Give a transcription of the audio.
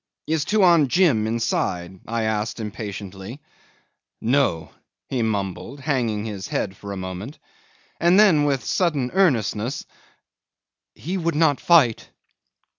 "Is Tuan Jim inside?" I asked impatiently. "No," he mumbled, hanging his head for a moment, and then with sudden earnestness, "He would not fight.